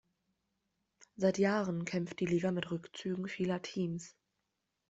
Seit Jahren kämpft die Liga mit Rückzügen vieler Teams.